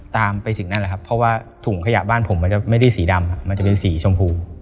ตามไปถึงนั่นแหละครับเพราะว่าถุงขยะบ้านผมมันจะไม่ได้สีดำมันจะเป็นสีชมพู